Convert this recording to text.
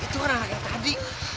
itu kan yang tadi